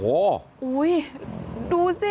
โอ้โหดูสิ